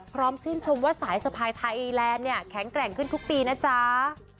ชื่นชมว่าสายสะพายไทยแลนด์เนี่ยแข็งแกร่งขึ้นทุกปีนะจ๊ะ